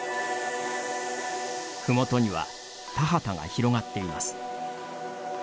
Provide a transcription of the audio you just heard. ふもとには、田畑が広がっています。